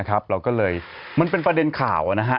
เราก็เลยมันเป็นประเด็นข่าวนะฮะ